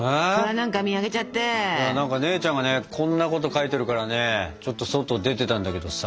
いや何か姉ちゃんがねこんなこと書いてるからねちょっと外出てたんだけどさ。